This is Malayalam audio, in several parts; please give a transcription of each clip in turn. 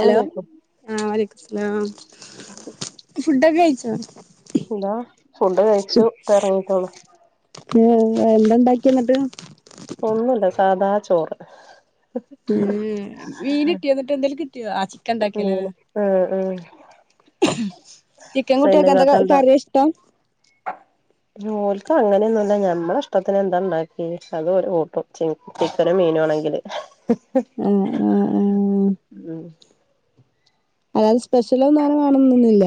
ഹലോ ആഹ് വലേക്കുസലാം ഫുഡൊക്കെ കഴിച് ച്ചോ എന്താ ഫുഡ്‌ കഴിച്ചു ഇപ്പോ ഇറങ്ങിട്ടെള്ളൂ ഉം എന്താ ണ്ടാക്കിയെ ന്നിട്ട് ഒന്നുവില്ല സാധാ ചോർ ഉം മീനിട്ടിയ എന്നിട്ട് എന്തേലും കി ആഹ് ആഹ് ചിക്കൻ കുട്ടിയൊക്കെ എന്തൊക്ക കാര്യ ഇഷ്ടം ഓല്ക്ക് അങ്ങനെയൊന്നുംല്ല നമ്മളെ ഇഷ്ടത്തിന് എന്താ ഉണ്ടാക്കി അത് ഓല് കൂട്ടും ചിക്കനും മീനും ആണെങ്കില് ഉം ഉം ഉം അല്ലതെ സ്പെഷ്യല് ഒന്നും അങ്ങനെ വേണോന്ന്ഒന്നുല്ല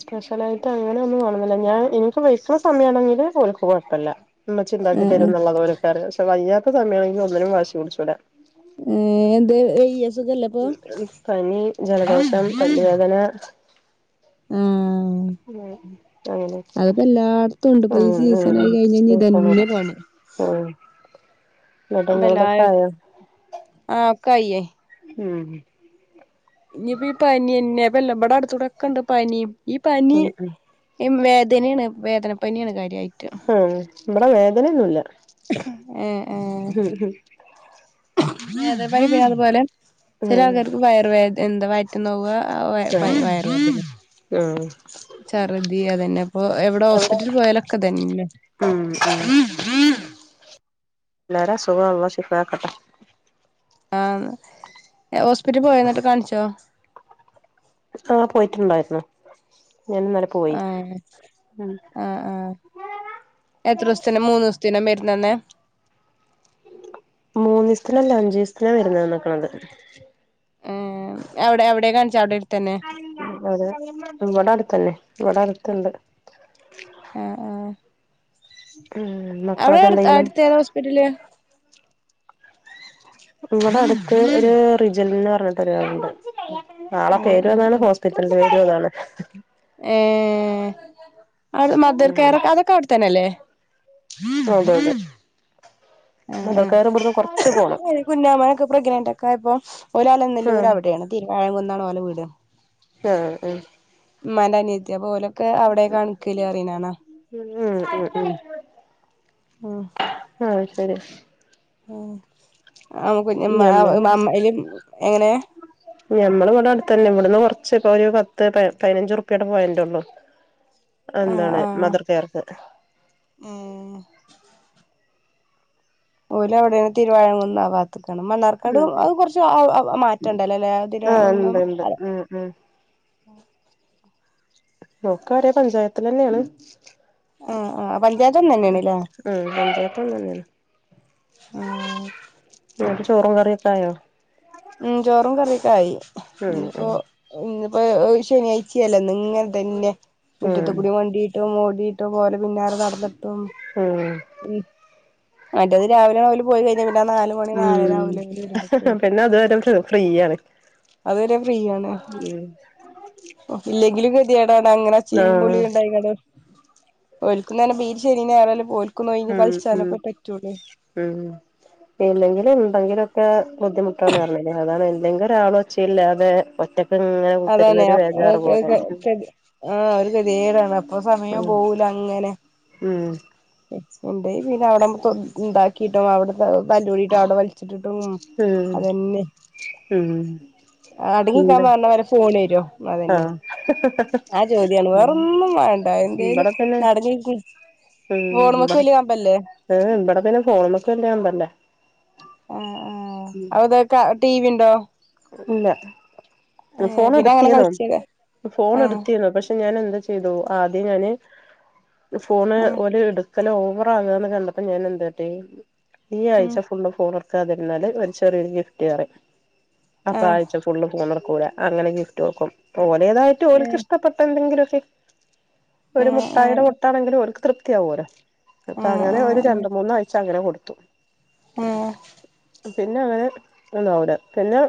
സ്പെഷ്യല് ആയിട്ട് അങ്ങനെ ഒന്നും വേണോന്നില്ല ഞാൻ എനിക്ക് [unintelligible] സമയ ആണെങ്കില് ഓല്ക്ക് കൊഴപ്പല്ല ഉമ്മച്ചി ആ ഉണ്ടാക്കി ആ തരുന്നു എന്നുള്ളത് ഒര്ക്ക് അറിയാം വയ്യാത്ത സമയണെങ്കിൽ ഒന്നിനും വാശി പിടിച്ചുല്ല ഏഹ് ഏത് വെ ഉം ഉം പനി ജലദോഷം പല്ലുവേദന ആഹ് ഉം അങ്ങനെയെക്കെ എല്ലായിടത്തും ഉണ്ട് ഇപ്പൊ ഉം ഈ ഉം സീസൺ ആയി ഉം കഴിഞ്ഞ ഇതന്നെ സീസണല്ലേ ഉം [unintelligible] ആഹ് ഒക്കെ ആയി ഉം ഇനിയിപ്പ ഈ പനിന്ന ഇപ്പോല്ല ഇവിടെ അടുത്തൂടെ ഒക്കെ ഉണ്ട് പനി ഈ പനി ഉം ഇമ് വേദ് ദെനേണ് വേദനപ്പനിയണ് കാ ആം മ്പടെ വേദനെന്നുല്ല ഹ് ഹ് വേത പനി പിന്നെ അതുപോലെ ഉം ചെല ഉം ആൾക്കാര്ക്ക് വയറ് വേ എന്ത വയറ്റ്‌ ന്നോവാ ആ വയ് പ ആഹ് വയ്റ് വേദനെ ചർദ്ധി അതന്നെ ഇപ്പൊ എവിടെ ഹോസ്പിറ്റലിൽ പോയാലൊക്കെ തന്നെ എന്തേ ല്ലാര അസുഖവു അള്ള ഷിഫാക്കട്ടെ ആഹ് ഓസ്പിറ്റ പോയ ന്ന്ട്ട് കാൺച്ചോ ആഹ് പോയിറ്റ്ണ്ടാര്ന്നു ആഹ് ആ ആ എത്രോസ്ഥിന് മൂന്ന് സ് ദിനം വരുന്നന്നെ മൂന്നിസ്ത്തിനല്ല അഞ്ചിസ്തിന വെരുന്ന ന്ക്ക്‌ണത് ഏ എവ്ടെ എവിടേ കാൺച്ച അവിടെ തന്നെ അതെ ഇവട അട്ത്തെന്നെ. ഇവ്ട അടുത്ത്ണ്ട്. ആ ആ ഉം അവ്ടെ മക്കളൊക്കെ എന്ത് ട്ത്ത് ചെയ്യണ് അട്ത്തേതാ ഹോസ്പിറ്റല് ഇവ്വ്ട അടുത്ത് ഒര് റിജൽന്ന് അർഞ്ഞ്ട്ട് ഒരാൾണ്ട്. ആളെ ആ പേരു അതാണ് ഹോസ്പിറ്റൽന്റെ പേരു അതാ ണ്. ഏഹ് അട് മതർ ഉം കേയറൊക്കെ അതൊക്ക അവ്ട്ത്തെന്നയല്ലേ? അതെ അതെ ആ മുതൽ ആ. കയർ ഇവിടുന്ന് കൊറച്ച് പോണം കുഞ്ഞാമാനൊക്ക പ്രഗ്നനന്റൊക്ക ആയപ്പോ ഓലാ അലന്നല്ലൂർ ആഹ് അവിടേണ് തിരുവാഴംങ്കുന്നാണ് ഓല വീട് ആഹ് ആ മ്മാന്റെ അനത്ത്യാേ അപ്പോലോ ക്കെ അവ്ടെ കാൺക്കല് അറീണാണ ഉം ഉം ഉം ആഹ് ശരി ആഹ് ആം കുഞ്ഞിമ്മ ഞമ്മള് [unintelligible] എങ്ങെനേ ഞമ്മൾ ഇവിടെ അടുത്തന്നെ ഇവട്ന്ന് കൊറച്ച് ഇപ്പൊ ഒരു പത്ത് പ പതിനഞ്ചു റുപ്പ്യടെ പോയന്റാെള്ളു ആ എന്താണ് ആ മദർ കെയർക്ക് ഏ ഓലാവ്ടെയാണ് തിരുവാഴകുന്ന് ആ ഭാ ക്കണം മണ്ണാർക്കാട് ഉം ഉം അത് കുറച്ച് മാറ്റം ഇണ്ടല്ലോല്ലെ ആഹ് ഉണ്ട് തിരുവാകുന്നും ഉണ്ട് അ ഉം ഉം നോക്കാണെ പഞ്ചായത്തിന്നെയാണ് ആ ആ പഞ്ചായത്ത് ഒന്നന്നേണ്ണല്ലേ ഉം പഞ്ചായത്ത് ഒന്ന് തന്നെയാണ് ആഹ് എന്നിട്ട് ചോറും കറിയൊക്കായോ ഉം ചോറും കറിയൊക്ക ആയി ഉം ഇനിപ്പോ ഉം ഇന്ന് അപ്പ ശനിയാഴ്ചയല്ലോ നിങ്ങൾ തന്നെ വീട്ടത്ത് ഉം കൂടി വണ്ടിട്ട് മോ വീട്ട് പോലെ പിന്നാർ നടന്നിട്ടും ഉം ഉം അന്റെ അത് രാവിലെ മുതല് പോയി കഴിഞ്ഞ ഉം പിന്നെ അതുവരെ ഫ്രീ ഫ്രീയാണ് അതുവരെ ഫ്രീ ആണ് ഉം ഇല്ലങ്കിലും കെ ട്ടാ അങ്ങനെ ആഹ് ചീങ്ങുംബിളിയുണ്ടായിക്കാണ്ട് ബോൽക്കുന്നന്നെ ബീര് ശനിയുംഞായറു അല്ലു ബോൽ ഉം ഉം ഉം ഇല്ലകിൽ എന്തങ്കിലും ഒ ക്ക ബുദ്ധിമുട്ടാണ് പറഞ്ഞില്ലേ അതാണ് ഭയങ്കരാളോഒച്ചയില്ലാതെ ഒറ്റക് അതെല്ലേ അപ് [unintelligible] ആ ഒരു കതികെടാണ് അപ്പൊ സമയം ഉം പോവൂല അങ്ങനെ ഉം ഉണ്ട് പിന്നെ അവിടെ നമുക്ക് ഉണ്ടാക്കിട്ടും അവിടെ താല്ലൂടീട്ടും അവിടെ വലിച്ചിട്ടിട്ടും ഉം അതന്നെ. ഉം അടങ്ങിക്കാൻ പറഞ്ഞ പറയും ഫോണ് യോ ആ ആ ചോദ്യാണ് വേറൊന്നും വേണ്ട എന്തേലും ഇവിടെ പിന്നെ നടഞീക്ക് ഉം ഫോണുമ്മക്ക് ഇവിടെ വല്യ കമ്പയില്ലേ മല്ല ആ ആ ഔതോക്ക ടീവി ഇണ്ടോ? ഇല്ല റിഫോൺ പിന്നെ അങ്ങനെ എടുത്തിന്നോ കളിച്ചത് ഫോൺ ആഹ് എടുത്തീന്നു പഷേ ഞാൻ എന്തു ചെയ്തു ആദ്യ ഞാന് ഫോണ് ആഹ് ഓല് എടു ഹലോ ഓവറാകാന്ന് കണ്ടപ്പോ ഞാനെന്ത് കാട്ടി ഈ ഉം ആഴ്ച ഫുള്ള് ഫോണ് എടുക്കാതിരുന്നാല് ഒരു ചെറിയൊരു ഗിഫ്റ്റ് പറയും അപ്പൊ ആഹ് ആഴ്ച ഫുള്ള് ഫോണെ ടുക്കൂല അങ്ങനെ ഗിഫ്റ്റ് വെക്കും ഓൽ വെതായിട്ട് ഓൽക്ക് ഏഹ് ഇഷ്ട്ടപ്പെട്ട എന്തെങ്കിലു ഒ ഒരു ആഹ് മുട്ടായിടെ ആഹ് പൊട്ടാണെങ്കിലും ഓല്ക്ക് തൃപ് ത്തി ആവോലോ ത അങ്ങനെ ആഹ് ഒരു ആഹ് രണ്ടുമൂന്നാഴ്ച അങ്ങനെ കൊടു ത്തും ആഹ് പിന്നെവര് ലോഡ് പിന്നെ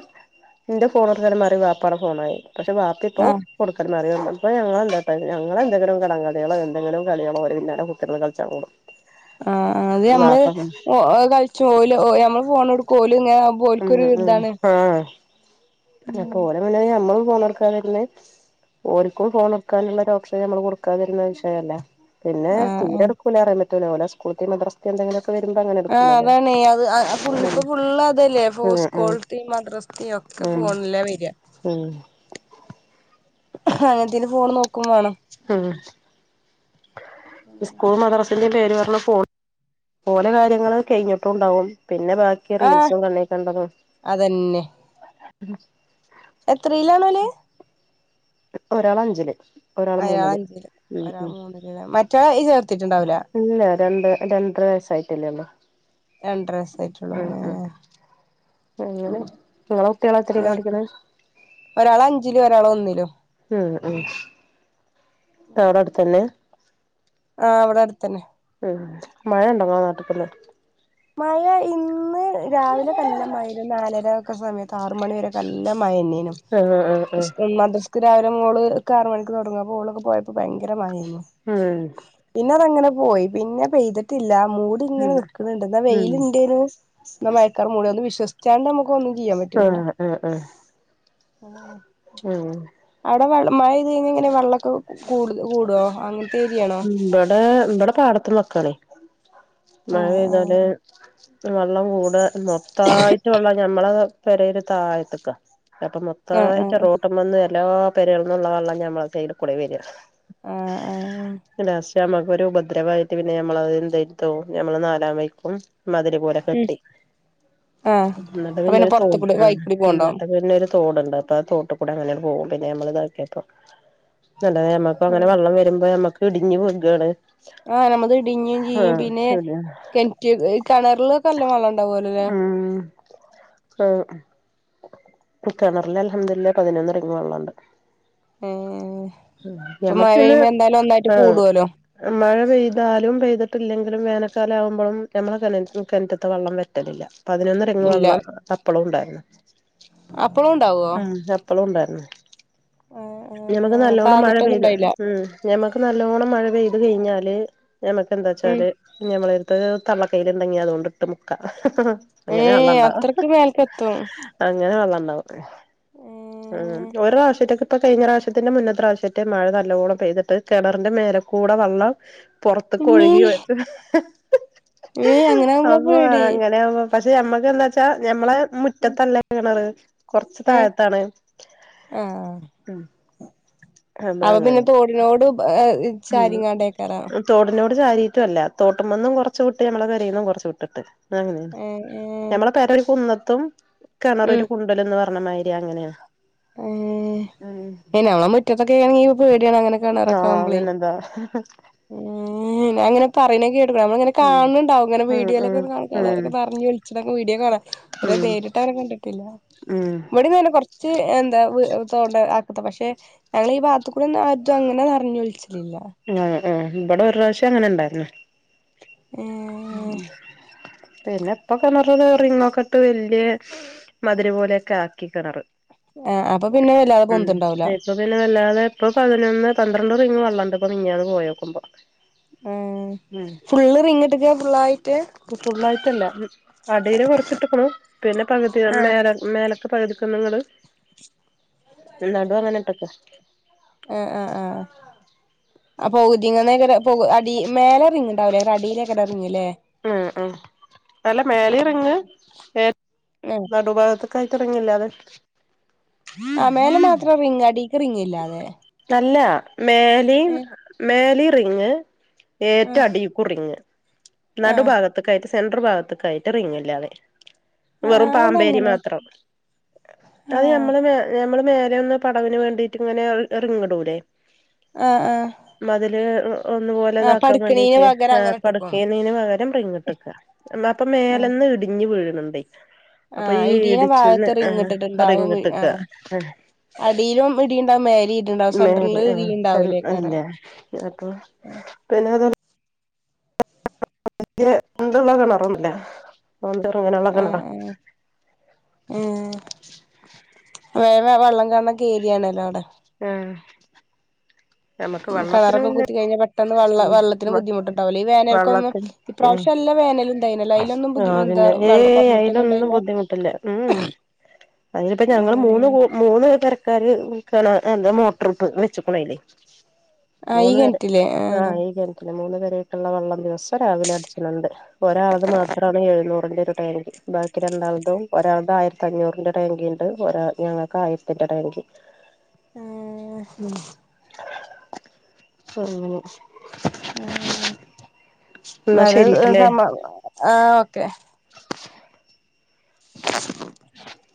എന്റെ ഫോണ് [unintelligible] മാറി ബാപ്പാന്റെ ഫോണായി പഷേ ബാപ്പയിപ്പോ ആഹ് കൊടുക്കല് [unintelligible] പ്പൊ ഞങ്ങളെന്താട്ടാ ഞങ്ങളെന്തെങ്കിലും കടംകഥകളോ എന്തെങ്കിലും കളികളോ ഓരേ പിന്നാലെ കുട്ടികളെ കളിച്ചാൻ കൂടും ആ ആ അതെ മ്മള് വാപ്പ ഓ കഴിച്ച് ഓയില് ഒ നമ്മള് ഫോണെടു ത് ങ്ങനെ ആകുമ്പോ ഓൽക്കൊരു താണ് പ്പോലമ്മലയ മ്മളും ഫോണെടുക്കാതിരുന്നേ ഓൽക്കോ ഫോൺ കൊടുക്കാനുള്ള ഓപ്ഷൻ നമ്മള് കൊടുക്കാതിരുന്ന ശ്യയ്യല്ല പിന്നെ ആ ആ തീരെ എടുക്കൂല റ ത് ലോല സ്കൂളിത്തെ മദ്രസ്ത്തെ [unintelligible] ആഹ്അതാണേ അത് ഉം ഫുള്ള്ക്ക് ഫുള്ള് അ ത് ലെ ഉം സ്കൂൾ ഉം ത്തിം മദ്രസ്ത്തിംഒക്കെ ഉം ഫോണിലാ വര്വ ഉം അങ്ങൻത്തേന് ഫോണ് നോക്കും വേണം ഉം സ്കൂൾ മദ്ര തിന്റെ പേര് പറഞ്ഞ് ഫോൺ ഓലെ കാര്യങ്ങള് കെഴിഞ്ഞിട്ടുണ്ടാവും പിന്നെ ബാക്കി ആ റീൽസും കണ്ണികണ്ടതും എത്രെയിലാണോല് ഒരാള് അഞ്ച്ല് അയാള് അഞ്ച്ല് ഒരാള് മൂന്ന്ല് മറ്റോയെ [unintelligible] യ് ചേർത്തീട്ടുണ്ടാ ഇല്ലേ രണ്ട് രണ്ടര വയസ്സായിട്ടല്ലെ ഒളളു രണ്ടര വയസ്സായ്ട്ടൊള്ളു ഏ അങ്ങനെ ഇങ്ങളെ കുട്ട്യേള് ഏ എത്രീലാ പഠിക്ക്ണെ ഒരാള് അഞ്ചിലും ഒരാള് ഒന്നിലും ഉം ഉം അവ്ടെ അട്ത്തെന്നെ ആഹ് ഇവടെ അട്ത്തന്നെ ഉം മഴണ്ടോ ഇങ്ങളെ നാട്ട്ല് മഴ ഇന്ന് പ്പോ രാവിലെക്കെ നല്ല മഴയായ്ർന്നു നാലര ഒക്കെ സമയ ആറു മണി വരക്കൊ നല്ല മ മഴന്നേനു ആഹ് ആഹ് ആഹ് സ്കൂൾ മദ്ര ക്ക്‌രാവിലെ മോള് ക്കാറുമണിക്ക് തൊട്ങ്ങും ഓളൊക്കെ പോയപ്പോ ഭയങ്കര മഴെനി മ് ഉം ഇന്നതെങ്ങനെ പോയി പിന്നെ പെയ്തിട്ടില്ല മൂടിങ്ങനെ നിക്ക്ണ് ണ്ട് ഉം ഉം വെയ്ല്ണ്ടേന്നു ന്നാ മഴക്കാറ് മൂടി ഒന്ന് വിശ്വസിച്ചാണ്ടമ്മ ആഹ് ആഹ് ആഹ് അഹ് അവ്ടെ മഴ പെയ്തഴിഞ്ഞാൽ ഇങ്ങനെ വെള്ളൊക്കെ കൂട് കൂടോ അങ്ങൻത്തെ ഏരിയാണോ ത്തിന്റെ വക്കാണെ മഴ ആഹ് പെയ്താല് ആഹ് വെള്ളം കൂടാ മൊത്തായിട്ടുകൊള്ളാം നമ്മള് പേരയുടെ തായത്ത്ക്കാ അപ്പോ ആഹ് ആഹ് മൊത്തായിട്ട് റോട്ട്മ്മന്ന് എല്ലാ പേരെകളിന്നുള്ള വെള്ളം നമ്മളെ സൈടുക്കൂടെ വെര ആഹ് ആഹ് [unintelligible] ഞമ്മക്കൊരു ഉപദ്രവായിട്ട് പിന്നെ ഞമ്മളത് എന്തെട്തു ഞമ്മള് നാലാവയിക്കും മതിലു പോലെ കെട്ടി ആഹ് എന്നിട്ട് അപ്പൊ പിന്നെ പിന്നൊരു തോ പൊറത്ത്ക്കൂടി അഹ് വഴിക്കൂടി പോവ്ണ്ടോ എന്നിട്ട് പിന്നൊരു തോടുണ്ട് അപ്പോ ആ തോട്ടുകൂടെ അങ്ങനെ പോകും പിന്നെമ്മളിതാക്കിയപ്പം ന അങ്ങനെ വെള്ളം വരുമ്പോ നമ്മക്ക് ഇടിഞ്ഞ് വികാണ് ആ ഞമ്മൾക്ക് ഇടിഞ്ഞും ചെയ്യും പിന്നെ അതെ കെണറ്റി കിണറിലൊക്കെ നല്ല വെള്ളം ഉണ്ടാവൂലൊല്ലെ ഉം ആഹ് ഇപ്പ കിണറിൽ അല്ഹംദുലില്ലാ പതിനൊന്ന് റിങ് വെള്ളണ്ട് ഏഹ് ഉം ഇപ്പൊ നമ്മക്ക് മഴ പിന്നെ പെയ്യുമ്പോ എന്തായാലും ഒന്നായിട്ട് ഏ കൂടുവല്ലോ മഴ പെയ്താലും പെയ്ത് ന്തില്ലെങ്കിലും വേനൽ കാലം ആവുമ്പോളും നമ്മളെ തലേൽക്ക് കിണറ്റിത്തെ വെള്ളം വറ്റലില്ല പതിനൊന്ന് റിങ് ഇല്ല വെള്ളം അപ്പളും ഇണ്ടാർന്ന് അപ്പളും ഉണ്ടാവോ ഉം എപ്പളും ഉണ്ട് ഏഹ് ഉം ഞമ്മക്ക് ഏഹ് അപ്പ നല്ലോണം മഴ എന്നിട്ടൊന്നും പെയ്ത് ഉണ്ടായില്ല ഉം ഞമ്മക്ക് നല്ലോണം മഴ പെയ്ത് കഴിഞ്ഞാല് ഞമ്മക്ക് എന്താ ഉം വെച്ചാൽ ഇഞ്ഞ് നമ്മള് ക്ക് തള്ള കയിണ്ടെങ്കി അതോ തൊട്ടു മുക്ക അങ്ങനെ ഏഹ് വെള്ളം ഇണ്ടാവ അത്രക്ക് മേൽക്കെത്തും അങ്ങനെ വെള്ളം ഉണ്ടാവും ഏഹ് ഉം ഒരു പ്രാവശ്യൊക്കെ കി ഇപ്പൊ കഴിഞ്ഞ പ്രാവശ്യത്തിൻ്റെ മുന്നത്തെ പ്രാവശ്യേറ്റേ മഴ നല്ലോണം പെയ്തിട്ട് കിണറിൻ്റെ മേലെ കൂടെ വെള്ളം പുറത്ത്ക്ക് ഒഴുകി വന്ന് മ് അങ്ങനെ ആവുമ്പളാ അപ്പ പേടി അങ്ങനെ ആവുമ്പോ പക്ഷെ നമ്മക്ക് എന്താ വെച്ച ഞമ്മളെ മുറ്റത്തന്നെ കിണറ് കുറച്ച് ഏഹ് താഴത്താണ് അപ്പൊ അവപിന്നെ അങ്ങനെ തോടിനോട് ചാരിങ്ങാണ്ടയ്ക്കാരം ചാരിട്ടും അല്ല തൊട്ട്മ്മന്നും കൊർച്ച് വിട്ട് നമ്മളെ പേരെന്നും കൊർച്ച് വിട്ടിട്ട് [unintelligible] ഏഹ് ഏഹ് നമ്മളെ പെരരു കുന്നത് തും ഉം കെണറൊരു കുണ്ടലും ന്ന ർഞ്ഞമാതിരി അങ്ങനാണ് ഉം ഹ് [unintelligible] ട്ട്യാണങ്ങനെ കെണാറൊക്കാവുമ്പളെ പിന്നെന്താ മ് മ് ഞാൻ ഇങ്ങനെ പറിണെ കേ നമ്മളിങ്ങനെ ഉം കാണ് ണ് ണ്ടാകും ഇങ്ങനെ ഉം വീടിയോലക്കെ ഉം ഉം [unintelligible] പർഞ്ഞ് വിൾച്ച വീഡിയോ കാണാൻ ഇവരെ ഉം നേരിട്ട് അവരെ കണ്ടിട്ടില്ല ഉം ഇവിടി ന്നന്നെ കൊർച്ച് എന്താ വ് ത്തോടെ അ അത പക്ഷെ ഞങ്ങള് ഈ ഭാഗത്തു കൂടെ ഒന്ന് അര്തും അങ്ങനെ നർഞ്ഞൊൽച്ച് ലില്ല ആ ഇവിടെ ഒരു പ്രാവശ്യം അങ്ങനെ ഇണ്ടായിര്ന്ന് ഉം ഏഹ് പിന്നെ ഇപ്പ കിണറില് റിങ്ങൊക്കെട്ട് വല്യ മതില് പോലെയൊക്കെ ആക്കി കിണറ് ആ അപ്പൊ പിന്നെ വല്ലാതെ ഉം പൊന്തണ്ടാവൂല ഇപ്പൊ പിന്നെ വല്ലാതെ ഇപ്പൊ പതിനൊന്ന് പന്ത്രണ്ട് റിങ് വെള്ളൊണ്ട് ഇപ്പ മിനിഞ്ഞാന് പോയി നോക്കുമ്പോ മ് ഫുള്ള് റിങ്ങ്ട്ടെക്കാ ഫുള്ളായിട്ട് ഫുള്ള് ആയിട്ടല്ല അടിയില് കുറച്ചിട്ടുള്ളു പിന്നെ പകുതി ആഹ് മേലെ മേലെ പകുതിക്ക് ഒന്നങ്ങട് നടു അങ്ങനെട്ടൊക്കെ ആ ആ ആ അപ്- പകുതി ഇങ്ങനെക്കെ അടി മേലെ റിങ്ണ്ടാവേല്ലാ അടിയിലേക്കെ ഇറങ്ങല്ലേ ഉം ഉം അല്ല മേലെയാ റിങ്ങ് ഏ നടുഭാഗത്തൊക്കായിട്ട് റിങ് ഇല്ലാതെ ആ മേല മാത്രം റിങ്ങ് അടി ക്ക് റിങ്ങില്ലാതെ അല്ല മേലേം ഏഹ് മേലേം റിങ് ഏറ്റ ആഹ് അടിക്കൂ റിങ് നടു ആഹ് ഭാഗത്ക്കായിട്ട് സെൻട്രൽ ഭാഗത്ക്കായിട്ട് റിങ്ല്ലാതെ ആ വെറും പാമ്പേരി അതങ്ങനെ മാത്രം ആ അത് നമ്മള് വെ നമ്മള് വേ രെന്ന് പടവിന് വേണ്ടീട്ട് ങ്ങനെ അഹ് എറ് ങ്ങടുലെ ആ ആ മതില് ഒന്നു പോലെ ആ പഠിക്കണീന് താക്കാംവേണ്ടീട്ട് പകരം ഏ അങ്ങനെ പട് ഇട്ടക്കും എയുന്നെയ്ന് പകരം റിങ്ട്ട്ക്ക മാപ്പം ആ മേലെന്ന് ഇടിഞ് വീയ്‌ണ് ആ ഇട് യ്‌ണ ബാഅത്ത് റിങ്ട്ട്ട്ട്ഉം ആ ആ റിങ്ങിട്ട്ക്കാ അടീലും ഇടിണ്ടാഉം മേലി മേതെ ആ [unintelligible] അപൊ പിനെ [unintelligible] [unintelligible] നെറണ്ട് ലേ ഓന്റെ റു ങ്ങെനെ ള്ള ആ കെണറാ വേഗാ വള്ളം കാൺണ ക്കേരിയാണല്ലോ അവ്ടെ. ആഹ് നമുക്ക് ഉം വെള്ളത്തിന് കെണറൊക്കെ പിന്നെ കുത്തിക്കയിഞ്ഞാ പെ ഉം വെ വേനൽക്കൊന്നും വെള്ളത്തിന് ഉം ഇപ്രാവശ്യം നല്ല വേനല് ഉണ്ടായിനല്ലോ അതിലൊന്നും ആഹ് ബുദ്ധി എന്താ അതന്നെ. വെള്ളം ഏയ് കുറഞ്ഞിട്ടൊന്നും അയ്ലൊന്നും ഉണ്ടായില്ല ബുദ്ധിമുട്ട്ല്ല. ഊ ഹും. അയ്ന് പ്പം ആ ഞങ്ങള് മൂന്നു മൂന്നു കൂ പെരക്കാര് ക്കാണ് എന്താ മോട്ടുറുട്ടു വെച്ച് ക്കുണുയ്‌ലേ [unintelligible] [unintelligible] [unintelligible] [unintelligible] [unintelligible] ഉം [unintelligible] [unintelligible] എന്നാ ശരിട്ടല്ലേ [unintelligible] [unintelligible]